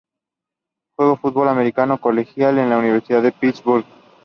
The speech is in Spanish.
Jugó fútbol americano colegial en la Universidad de Pittsburgh.